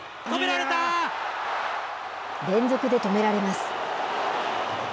連続で止められます。